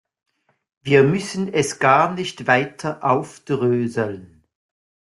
Wir müssen es gar nicht weiter aufdröseln.